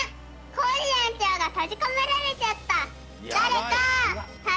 コージえんちょうがとじこめられちゃった」。